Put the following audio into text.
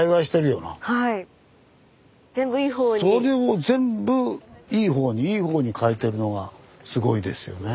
それを全部いいほうにいいほうにかえてるのがすごいですよね。